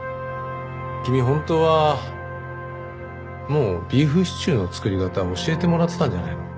君本当はもうビーフシチューの作り方教えてもらってたんじゃないの？